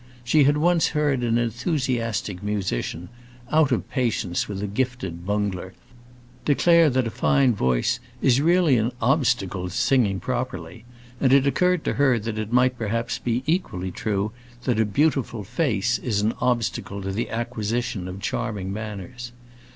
She had once heard an enthusiastic musician, out of patience with a gifted bungler, declare that a fine voice is really an obstacle to singing properly; and it occurred to her that it might perhaps be equally true that a beautiful face is an obstacle to the acquisition of charming manners.